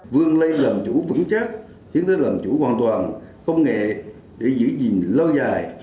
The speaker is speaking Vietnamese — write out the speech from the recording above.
vương lây làm chủ vững chắc hiến tới làm chủ hoàn toàn công nghệ để giữ gìn lâu dài